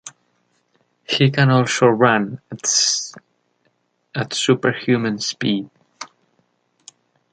He can also run at superhuman speed.